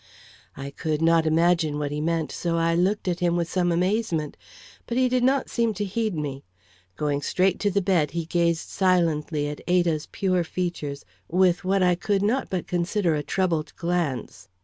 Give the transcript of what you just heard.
I could not imagine what he mean, so I looked at him with some amazement. But he did not seem to heed me. Going straight to the bed, he gazed silently at Ada's pure features, with what I could not but consider a troubled glance.